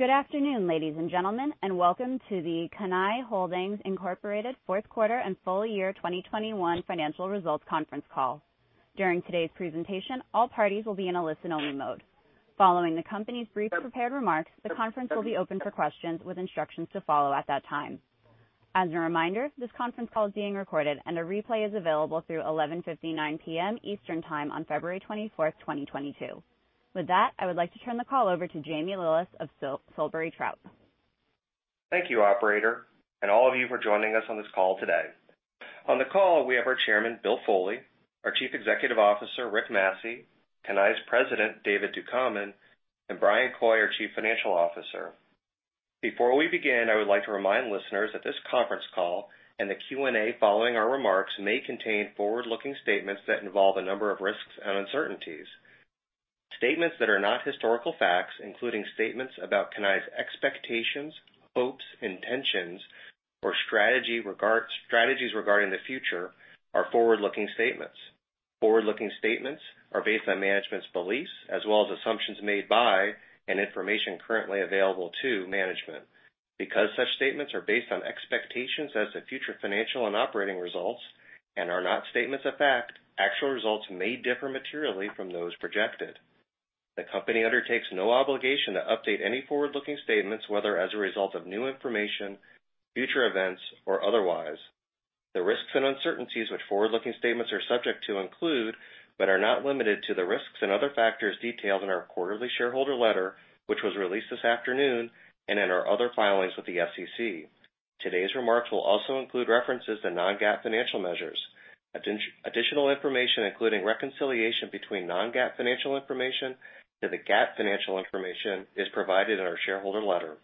Good afternoon, ladies and gentlemen, and welcome to the Cannae Holdings, Inc. Fourth Quarter and Full Year 2021 Financial Results Conference Call. During today's presentation, all parties will be in a listen-only mode. Following the company's brief prepared remarks, the conference will be open for questions with instructions to follow at that time. As a reminder, this conference call is being recorded and a replay is available through 11:59 P.M. Eastern Time on February 24, 2022. With that, I would like to turn the call over to Jamie Lillis of Solebury Trout. Thank you, operator, and all of you for joining us on this call today. On the call, we have our Chairman, Bill Foley, our Chief Executive Officer, Rick Massey, Cannae's President, David Ducommun, and Bryan Coy, our Chief Financial Officer. Before we begin, I would like to remind listeners that this conference call and the Q&A following our remarks may contain forward-looking statements that involve a number of risks and uncertainties. Statements that are not historical facts, including statements about Cannae's expectations, hopes, intentions, or strategies regarding the future, are forward-looking statements. Forward-looking statements are based on management's beliefs as well as assumptions made by and information currently available to management. Because such statements are based on expectations as to future financial and operating results and are not statements of fact, actual results may differ materially from those projected. The company undertakes no obligation to update any forward-looking statements, whether as a result of new information, future events, or otherwise. The risks and uncertainties which forward-looking statements are subject to include, but are not limited to, the risks and other factors detailed in our quarterly shareholder letter, which was released this afternoon and in our other filings with the SEC. Today's remarks will also include references to non-GAAP financial measures. Additional information, including reconciliation between non-GAAP financial information to the GAAP financial information, is provided in our shareholder letter.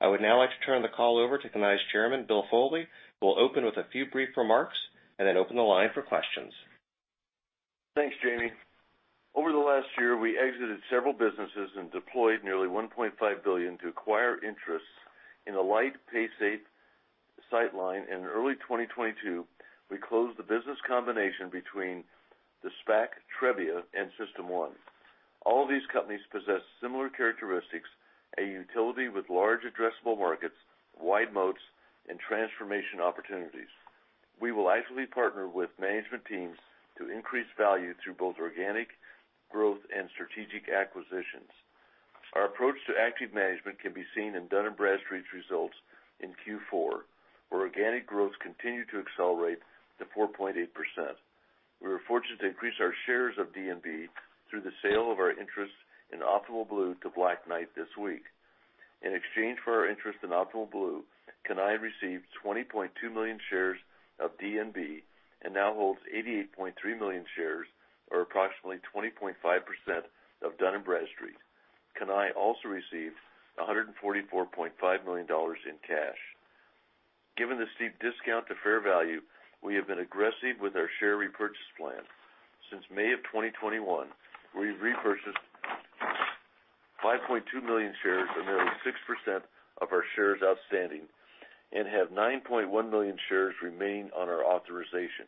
I would now like to turn the call over to Cannae's Chairman, Bill Foley, who will open with a few brief remarks and then open the line for questions. Thanks, Jamie. Over the last year, we exited several businesses and deployed nearly $1.5 billion to acquire interests in Alight, Paysafe, Sightline. In early 2022, we closed the business combination between the SPAC Trebia and System1. All these companies possess similar characteristics, a utility with large addressable markets, wide moats, and transformation opportunities. We will actively partner with management teams to increase value through both organic growth and strategic acquisitions. Our approach to active management can be seen in Dun & Bradstreet's results in Q4, where organic growth continued to accelerate to 4.8%. We were fortunate to increase our shares of DNB through the sale of our interest in Optimal Blue to Black Knight this week. In exchange for our interest in Optimal Blue, Cannae received 20.2 million shares of DNB and now holds 88.3 million shares or approximately 20.5% of Dun & Bradstreet. Cannae also received $144.5 million in cash. Given the steep discount to fair value, we have been aggressive with our share repurchase plan. Since May of 2021, we've repurchased 5.2 million shares or nearly 6% of our shares outstanding and have 9.1 million shares remaining on our authorization.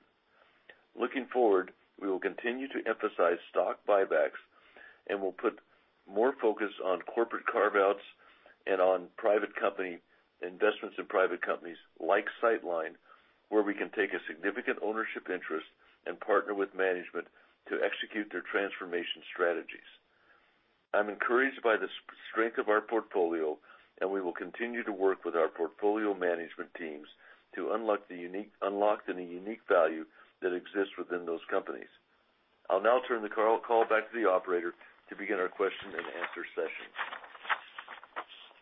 Looking forward, we will continue to emphasize stock buybacks, and we'll put more focus on corporate carve-outs and on investments in private companies like Sightline, where we can take a significant ownership interest and partner with management to execute their transformation strategies. I'm encouraged by the strength of our portfolio, and we will continue to work with our portfolio management teams to unlock any unique value that exists within those companies. I'll now turn the call back to the operator to begin our question and answer session.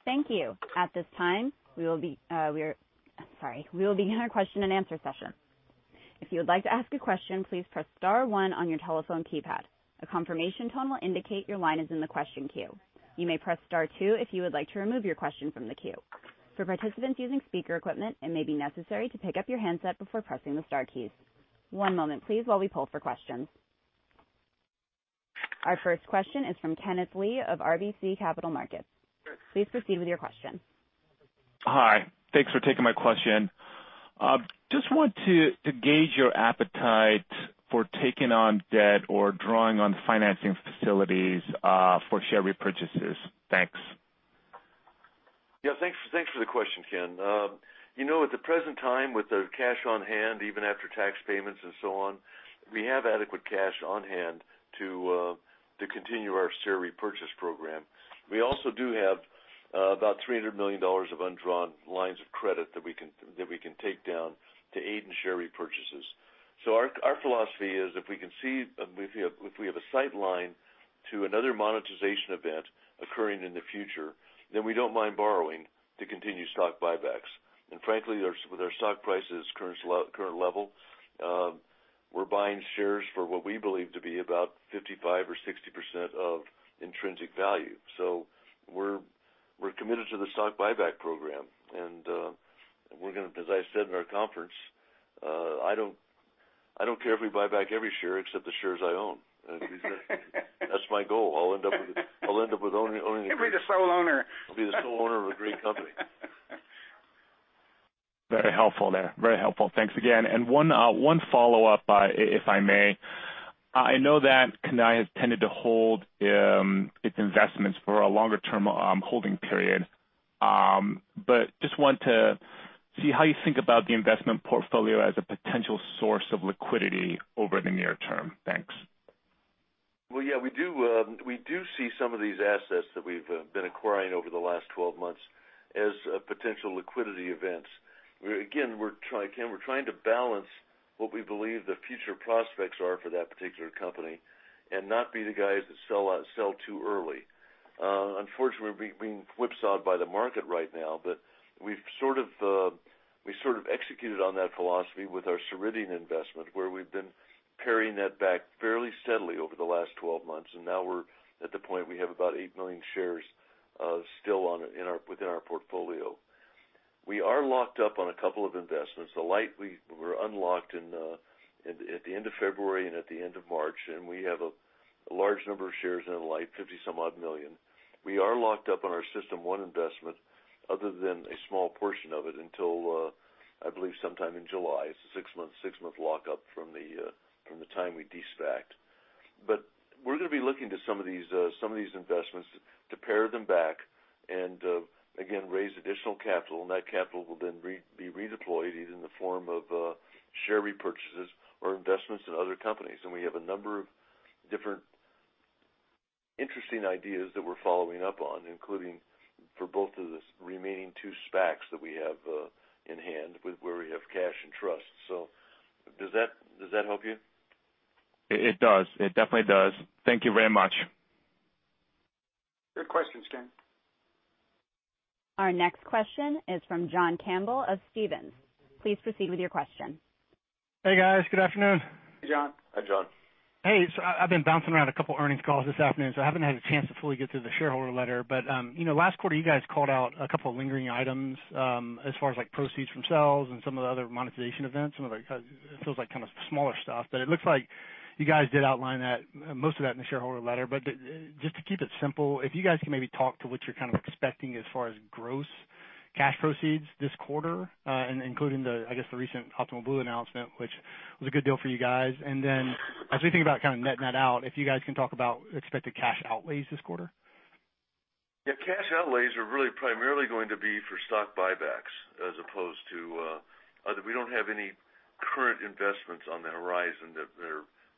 Thank you. At this time, Sorry. We will begin our Q&A session. If you would like to ask a question, please press star one on your telephone keypad. A confirmation tone will indicate your line is in the question queue. You may press star two if you would like to remove your question from the queue. For participants using speaker equipment, it may be necessary to pick up your handset before pressing the star keys. One moment, please, while we pull for questions. Our first question is from Kenneth Lee of RBC Capital Markets. Please proceed with your question. Hi. Thanks for taking my question. Just want to gauge your appetite for taking on debt or drawing on financing facilities for share repurchases. Thanks. Yeah. Thanks for the question, Ken. You know, at the present time, with the cash on hand, even after tax payments and so on, we have adequate cash on hand to continue our share repurchase program. We also do have about $300 million of undrawn lines of credit that we can take down to aid in share repurchases. Our philosophy is if we have a sight line to another monetization event occurring in the future, then we don't mind borrowing to continue stock buybacks. Frankly, there, with our stock price's current level, we're buying shares for what we believe to be about 55% or 60% of intrinsic value. We're committed to the stock buyback program. We're gonna, as I said in our conference, I don't care if we buy back every share except the shares I own. That's my goal. I'll end up with only owning. You'll be the sole owner. I'll be the sole owner of a great company. Very helpful there. Very helpful. Thanks again. One follow-up, if I may. I know that Cannae has tended to hold its investments for a longer-term holding period. I just want to see how you think about the investment portfolio as a potential source of liquidity over the near term. Thanks. Well, yeah, we do see some of these assets that we've been acquiring over the last 12 months as potential liquidity events. We're trying to balance what we believe the future prospects are for that particular company and not be the guys that sell too early. Unfortunately, we're being whipsawed by the market right now, but we've sort of executed on that philosophy with our Ceridian investment, where we've been paring that back fairly steadily over the last 12 months. Now we're at the point we have about 8 million shares still on it within our portfolio. We are locked up on a couple of investments. Alight, we're unlocked in at the end of February and at the end of March, and we have a large number of shares in Alight, 50-some odd million. We are locked up on our System1 investment other than a small portion of it until I believe sometime in July. It's a six-month lockup from the time we de-SPAC. We're gonna be looking to some of these investments to pare them back and again raise additional capital. That capital will then be redeployed, either in the form of share repurchases or investments in other companies. We have a number of different interesting ideas that we're following up on, including for both of the remaining two SPACs that we have in hand with where we have cash and trust. Does that help you? It does. It definitely does. Thank you very much. Good questions, Ken. Our next question is from John Campbell of Stephens. Please proceed with your question. Hey, guys. Good afternoon. Hey, John. Hi, John. Hey. I've been bouncing around a couple earnings calls this afternoon, so I haven't had a chance to fully get through the shareholder letter. You know, last quarter, you guys called out a couple of lingering items, as far as, like, proceeds from sales and some of the other monetization events, some of the, it feels like kind of smaller stuff. It looks like you guys did outline that, most of that in the shareholder letter. Just to keep it simple, if you guys can maybe talk to what you're kind of expecting as far as gross cash proceeds this quarter, including the, I guess, the recent Optimal Blue announcement, which was a good deal for you guys. As we think about kind of netting that out, if you guys can talk about expected cash outlays this quarter. Yeah, cash outlays are really primarily going to be for stock buybacks as opposed to other. We don't have any current investments on the horizon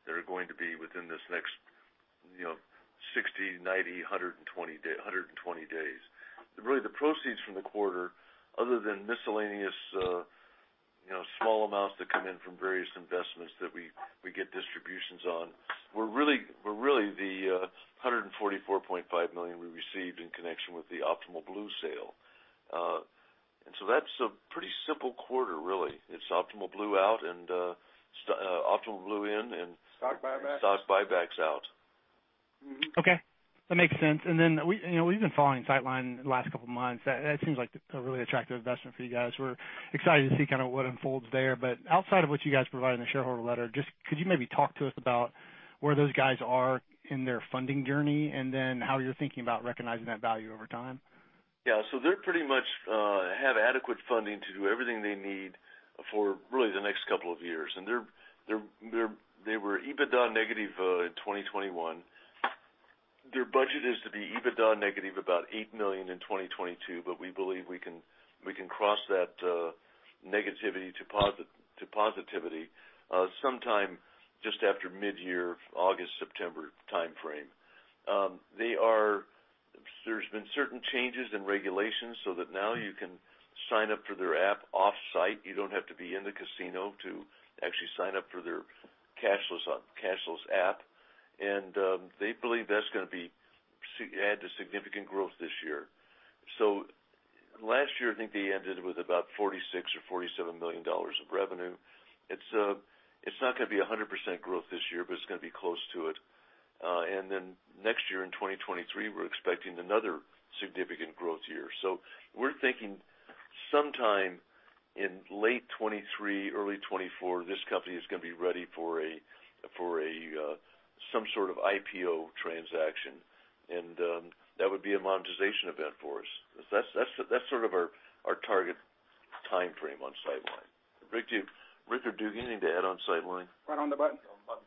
that are going to be within this next, you know, 60, 90, 120 days. Really the proceeds from the quarter, other than miscellaneous, you know, small amounts that come in from various investments that we get distributions on, were really the $144.5 million we received in connection with the Optimal Blue sale. That's a pretty simple quarter really. It's Optimal Blue out and Optimal Blue in and- Stock buybacks. Stock buybacks out. Okay, that makes sense. Then we, you know, we've been following Sightline the last couple of months. That seems like a really attractive investment for you guys. We're excited to see kind of what unfolds there. Outside of what you guys provide in the shareholder letter, just could you maybe talk to us about where those guys are in their funding journey, and then how you're thinking about recognizing that value over time? Yeah. They pretty much have adequate funding to do everything they need for really the next couple of years. They were EBITDA negative in 2021. Their budget is to be EBITDA negative about $8 million in 2022, but we believe we can cross that negativity to positivity sometime just after midyear, August, September timeframe. They are. There has been certain changes in regulations so that now you can sign up for their app off-site. You do not have to be in the casino to actually sign up for their cashless app. They believe that's gonna be significant growth this year. Last year, I think they ended with about $46 million or $47 million of revenue. It's not gonna be 100% growth this year, but it's gonna be close to it. Next year in 2023, we're expecting another significant growth year. We're thinking sometime in late 2023, early 2024, this company is gonna be ready for a some sort of IPO transaction, and that would be a monetization event for us. That's sort of our target timeframe on Sightline. Rick or Duke, do you need to add on Sightline? Right on the button. On the button.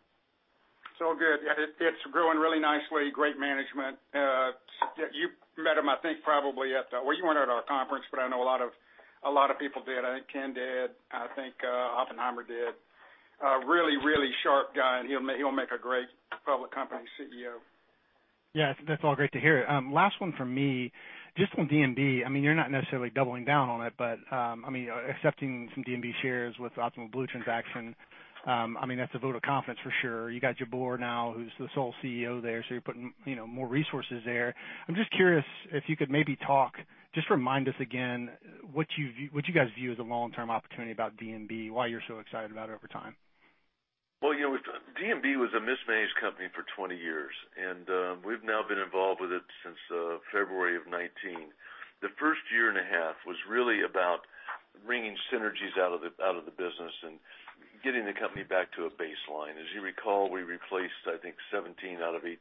It's all good. Yeah, it's growing really nicely. Great management. Yeah, you met him, I think, probably at the conference. Well, you weren't at our conference, but I know a lot of people did. I think Ken did. I think, Oppenheimer did. A really sharp guy, and he'll make a great public company CEO. Yeah, I think that's all great to hear. Last one from me. Just on D&B, I mean, you're not necessarily doubling down on it, but, I mean, accepting some D&B shares with Optimal Blue transaction, I mean, that's a vote of confidence for sure. You got Jabbour now, who's the sole CEO there, so you're putting, you know, more resources there. I'm just curious if you could maybe talk, just remind us again what you guys view as a long-term opportunity about D&B, why you're so excited about it over time. Well, you know, D&B was a mismanaged company for 20 years, and we've now been involved with it since February of 2019. The first year and a half was really about wringing synergies out of the business and getting the company back to a baseline. As you recall, we replaced, I think, 17 out of 18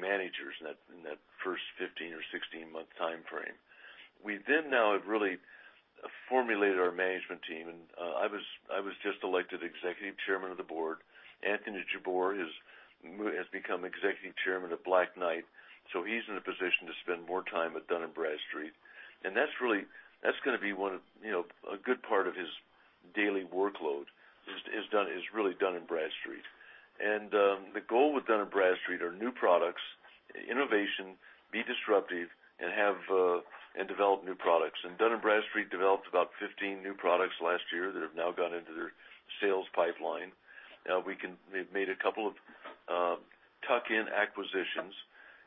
managers in that first 15-month or 16-month time frame. We now have really formulated our management team. I was just elected Executive Chairman of the board. Anthony Jabbour has become Executive Chairman of Black Knight. So he's in a position to spend more time at Dun & Bradstreet. That's really gonna be one of, you know, a good part of his daily workload. It's really Dun & Bradstreet. The goal with Dun & Bradstreet are new products, innovation, be disruptive, and have, and develop new products. Dun & Bradstreet developed about 15 new products last year that have now gone into their sales pipeline. We've made a couple of tuck-in acquisitions,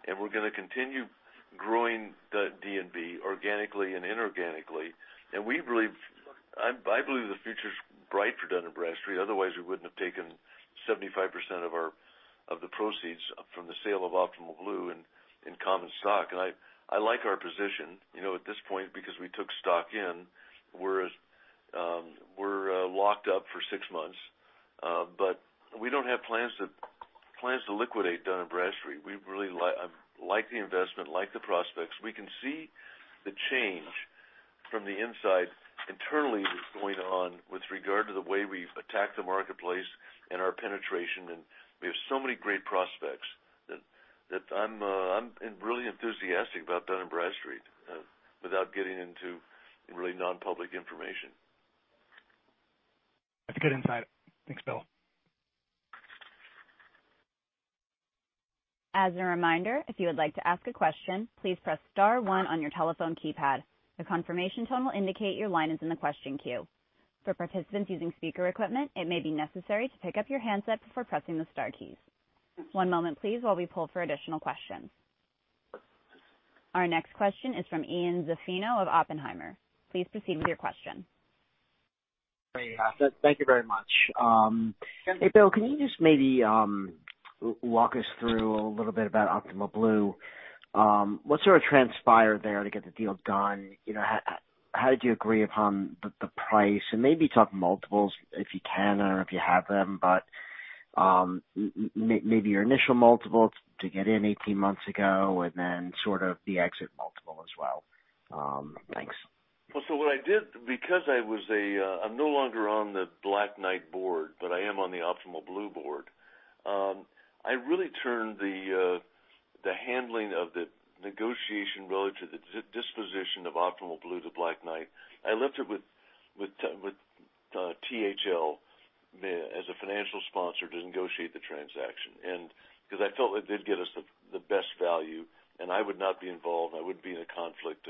and we're gonna continue growing the D&B organically and inorganically. I believe the future's bright for Dun & Bradstreet. Otherwise, we wouldn't have taken 75% of the proceeds from the sale of Optimal Blue in common stock. I like our position, you know, at this point because we took stock in. We're locked up for six months. But we don't have plans to liquidate Dun & Bradstreet. We really like the investment, like the prospects. We can see the change from the inside internally that's going on with regard to the way we've attacked the marketplace and our penetration, and we have so many great prospects that I'm really enthusiastic about Dun & Bradstreet without getting into really non-public information. That's a good insight. Thanks, Bill. As a reminder, if you would like to ask a question, please press star one on your telephone keypad. A confirmation tone will indicate your line is in the question queue. For participants using speaker equipment, it may be necessary to pick up your handset before pressing the star keys. One moment please while we pull for additional questions. Our next question is from Ian Zaffino of Oppenheimer. Please proceed with your question. Hey, thank you very much. Hey, Bill, can you just maybe walk us through a little bit about Optimal Blue? What sort of transpired there to get the deal done? You know, how did you agree upon the price? And maybe talk multiples if you can or if you have them. But maybe your initial multiple to get in 18 months ago and then sort of the exit multiple as well. Thanks. Well, so what I did, because I was a, I'm no longer on the Black Knight board, but I am on the Optimal Blue board. I really turned the handling of the negotiation relative to the disposition of Optimal Blue to Black Knight. I left it with THL as a financial sponsor to negotiate the transaction. Because I felt they'd get us the best value, and I would not be involved, I would be in a conflict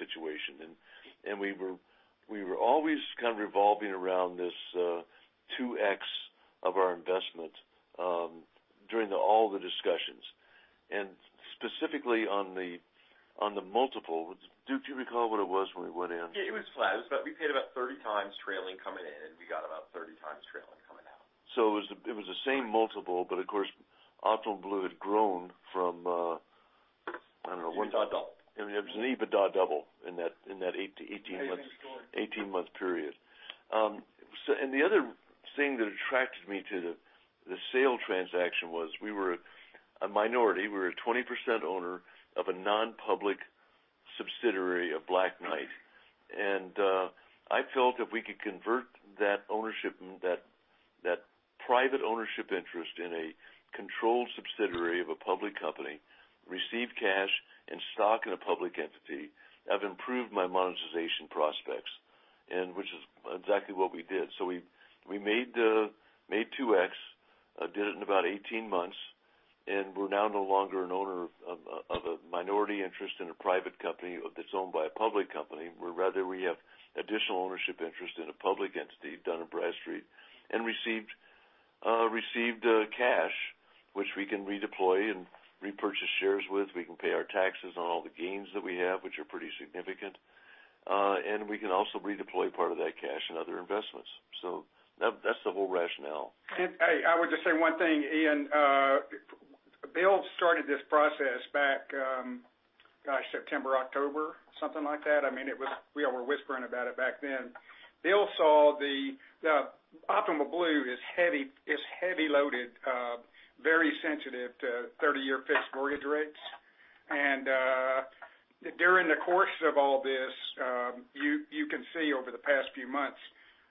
situation. We were always kind of revolving around this 2x of our investment during all the discussions. Specifically on the multiple, do you recall what it was when we went in? Yeah, it was flat. It was about we paid about 30 times trailing coming in, and we got about 30 times trailing coming out. It was the same multiple. Of course, Optimal Blue had grown from, I don't know. EBITDA double. It was an EBITDA double in that 8-month to 18-month period. The other thing that attracted me to the sale transaction was we were a minority. We were a 20% owner of a non-public subsidiary of Black Knight. I felt if we could convert that ownership, that private ownership interest in a controlled subsidiary of a public company, receive cash and stock in a public entity, I've improved my monetization prospects, which is exactly what we did. We made 2x, did it in about 18 months, and we're now no longer an owner of a minority interest in a private company that's owned by a public company. Rather, we have additional ownership interest in a public entity, Dun & Bradstreet, and received cash, which we can redeploy and repurchase shares with. We can pay our taxes on all the gains that we have, which are pretty significant. We can also redeploy part of that cash in other investments. That, that's the whole rationale. I would just say one thing, Ian. Bill started this process back, gosh, September, October, something like that. I mean, it was. We all were whispering about it back then. Bill saw the Optimal Blue is heavily loaded, very sensitive to 30-year fixed mortgage rates. During the course of all this, you can see over the past few months,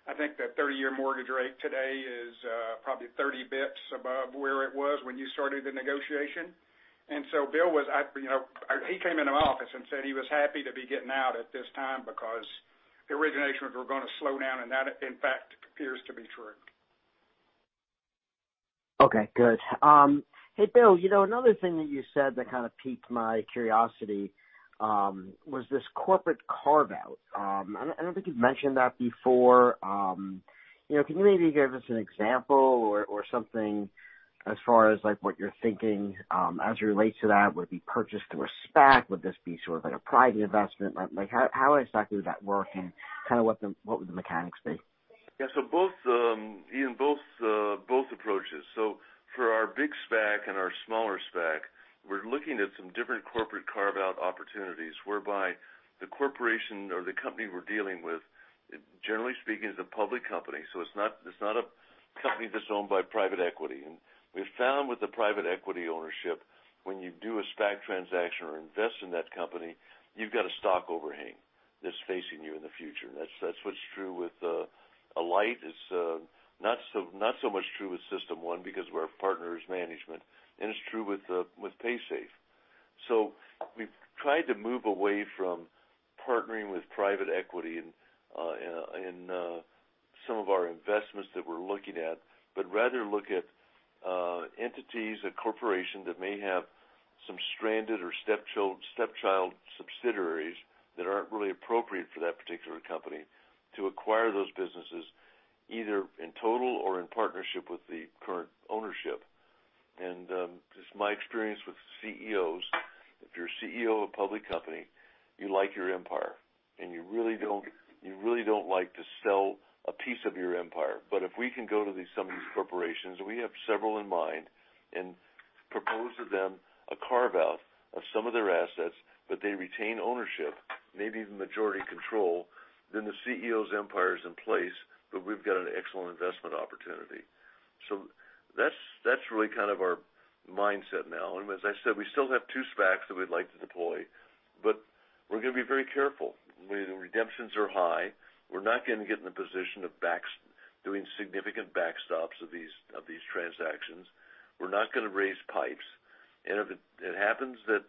I think the 30-year mortgage rate today is probably 30 basis points above where it was when you started the negotiation. Bill was, you know. He came into my office and said he was happy to be getting out at this time because the originations were gonna slow down. That, in fact, appears to be true. Okay, good. Hey, Bill, you know another thing that you said that kind of piqued my curiosity was this corporate carve-out. I don't think you've mentioned that before. You know, can you maybe give us an example or something as far as, like, what you're thinking as it relates to that? Would it be purchased through a SPAC? Would this be sort of like a private investment? Like, how exactly would that work and kind of what would the mechanics be? Yeah. Both approaches, Ian. For our big SPAC and our smaller SPAC, we're looking at some different corporate carve-out opportunities whereby the corporation or the company we're dealing with, generally speaking, is a public company. It's not a company that's owned by private equity. We've found with the private equity ownership, when you do a SPAC transaction or invest in that company, you've got a stock overhang that's facing you in the future. That's what's true with Alight. It's not so much true with System1 because we're partners with management, and it's true with Paysafe. We've tried to move away from partnering with private equity in some of our investments that we're looking at, but rather look at entities or corporations that may have some stranded or stepchild subsidiaries that aren't really appropriate for that particular company to acquire those businesses, either in total or in partnership with the current ownership. Just my experience with CEOs, if you're a CEO of a public company, you like your empire, and you really don't like to sell a piece of your empire. If we can go to these, some of these corporations, we have several in mind, and propose to them a carve-out of some of their assets that they retain ownership, maybe even majority control, then the CEO's empire is in place, but we've got an excellent investment opportunity. That's really kind of our mindset now. As I said, we still have two SPACs that we'd like to deploy, but we're gonna be very careful. The redemptions are high. We're not gonna get in the position of doing significant backstops of these transactions. We're not gonna raise PIPEs. If it happens that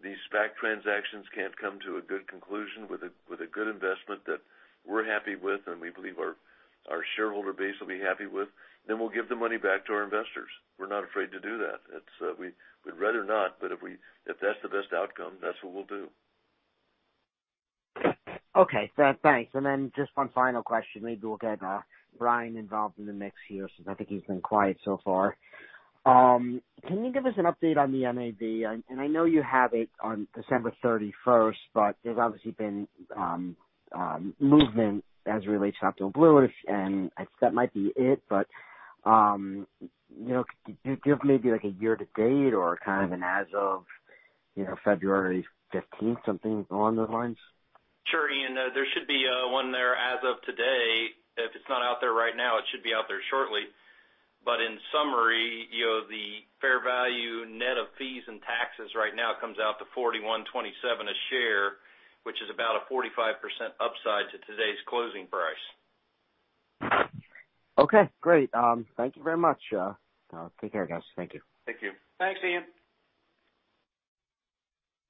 these SPAC transactions can't come to a good conclusion with a good investment that we're happy with and we believe our shareholder base will be happy with, then we'll give the money back to our investors. We're not afraid to do that. It's we'd rather not, but if that's the best outcome, that's what we'll do. Okay. Thanks. Just one final question. Maybe we'll get Bryan involved in the mix here since I think he's been quiet so far. Can you give us an update on the NAV? I know you have it on December 31st, but there's obviously been movement as it relates to Optimal Blue, and I guess that might be it. You know, could you give maybe like a year to date or kind of an as of, you know, February fifteenth, something along those lines? Sure. Ian, there should be one there as of today. If it's not out there right now, it should be out there shortly. In summary, you know, the fair value net of fees and taxes right now comes out to $41.27 a share, which is about a 45% upside to today's closing price. Okay, great. Thank you very much. Take care guys. Thank you. Thank you. Thanks, Ian.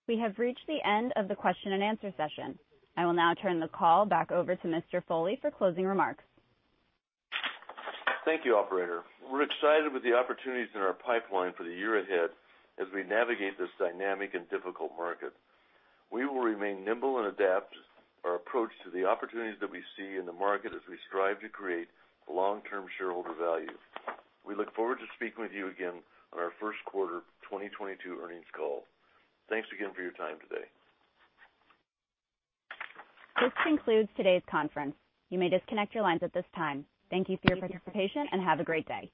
We have reached the end of the question and answer session. I will now turn the call back over to Mr. Foley for closing remarks. Thank you, operator. We're excited with the opportunities in our pipeline for the year ahead as we navigate this dynamic and difficult market. We will remain nimble and adapt our approach to the opportunities that we see in the market as we strive to create long-term shareholder value. We look forward to speaking with you again on our first quarter 2022 earnings call. Thanks again for your time today. This concludes today's conference. You may disconnect your lines at this time. Thank you for your participation, and have a great day.